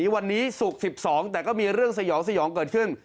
วันนี้ศุกร์๑๒แต่ก็มีเรื่องสยองสยองเกิดขึ้น